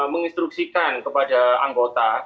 menginstruksikan kepada anggota